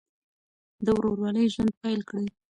د ورورولۍ ژوند پیل کړئ.